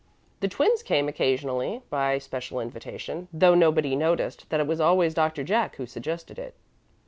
The twins came occasionally, by special invitation, though nobody noticed that it was always Doctor Jack who suggested it.